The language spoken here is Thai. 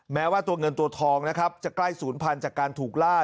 แม้ว่าตัวเงินตัวทองนะครับจะใกล้ศูนย์พันธุ์จากการถูกล่า